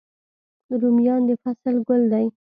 رومیان د فصل ګل دی